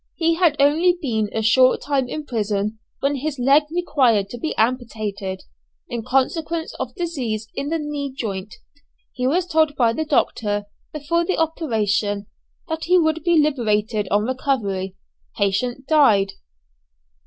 He had only been a short time in prison when his leg required to be amputated, in consequence of disease in the knee joint. He was told by the doctor, before the operation, that he would be liberated on recovery. Patient died.